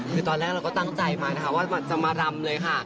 คือตอนแรกเราก็ตั้งใจมานะคะว่าจะมารำเลยค่ะ